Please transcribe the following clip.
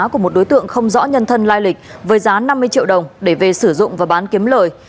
của một đối tượng không rõ nhân thân lai lịch với giá năm mươi triệu đồng để về sử dụng và bán kiếm lời